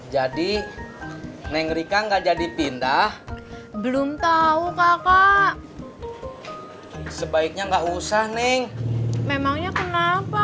jadi mengerikan enggak jadi pindah belum tahu kakak sebaiknya enggak usah neng memangnya kenapa